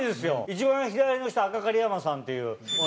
一番左の人赤狩山さんっていう。